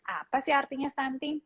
apa sih artinya stunting